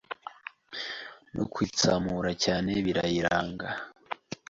no kwitsamura cyane birayiranga